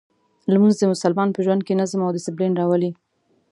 لمونځ د مسلمان په ژوند کې نظم او دسپلین راولي.